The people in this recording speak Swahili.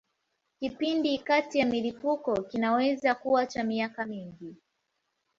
Kipindi kati ya milipuko kinaweza kuwa cha miaka mingi.